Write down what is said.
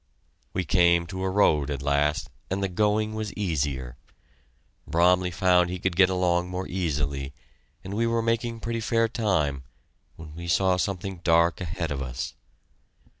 We came to a road at last and the going was easier. Bromley found he could get along more easily, and we were making pretty fair time when we saw something dark ahead of us.